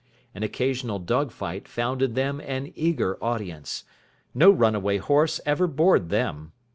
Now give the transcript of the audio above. An occasional dog fight found in them an eager audience. No runaway horse ever bored them.